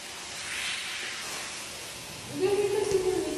Nació en la ciudad de Lima, distrito de Miraflores.